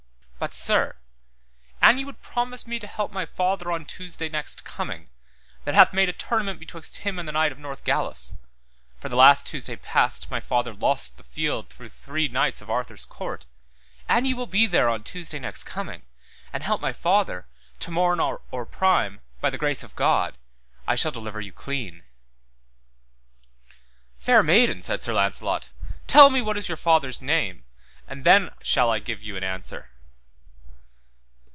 But Sir, an ye would promise me to help my father on Tuesday next coming, that hath made a tournament betwixt him and the King of Northgalis—for the last Tuesday past my father lost the field through three knights of Arthur's court—an ye will be there on Tuesday next coming, and help my father, to morn or prime, by the grace of God, I shall deliver you clean. Fair maiden, said Sir Launcelot, tell me what is your father's name, and then shall I give you an answer.